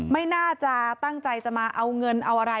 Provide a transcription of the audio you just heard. ไม่น่าจะตั้งใจจะมาเอาเงินเอาอะไร